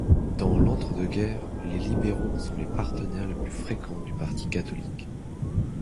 Dans l'entre-deux-guerres, les libéraux sont les partenaires les plus fréquents du parti catholique.